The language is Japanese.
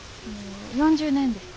４０年です。